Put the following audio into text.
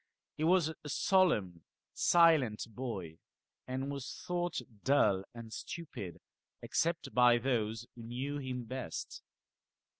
He was a solemn silent boy, and was thought duU and stupid, except by those who knew him best.